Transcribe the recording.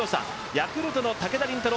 ヤクルトの武田凜太郎